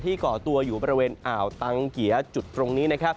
ที่ก่อตัวอยู่บริเวณอ่าวตังเกียจุดตรงนี้